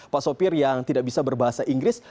pak sopir yang tidak bisa berbahasa inggris